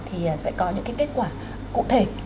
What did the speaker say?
thì sẽ có những cái kết quả cụ thể